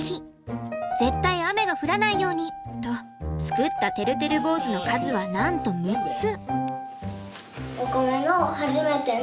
「絶対雨が降らないように！」と作ったてるてる坊主の数はなんと６つ。